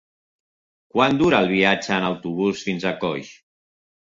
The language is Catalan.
Quant dura el viatge en autobús fins a Coix?